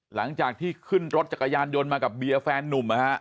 หลังจากที่ขึ้นรถจักรยานยนต์มากับเบียร์แฟนนุ่มนะฮะ